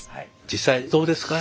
実際どうですか？